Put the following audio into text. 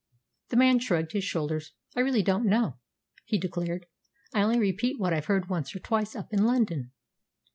The man shrugged his shoulders. "I really don't know," he declared. "I only repeat what I've heard once or twice up in London."